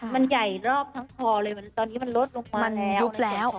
มันใหญ่รอบทั้งคอเลยตอนนี้มันลดลงมามันยุบแล้ว